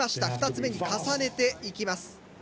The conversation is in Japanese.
２つ目に重ねていきます。